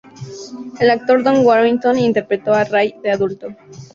El actor Don Warrington interpretó a Ray de adulto.